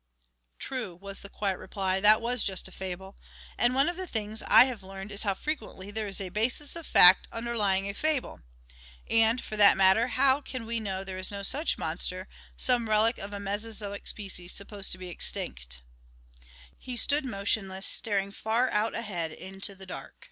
"True," was the quiet reply, "that was just a fable. And one of the things I have learned is how frequently there is a basis of fact underlying a fable. And, for that matter, how can we know there is no such monster, some relic of a Mesozoic species supposed to be extinct?" He stood motionless, staring far out ahead into the dark.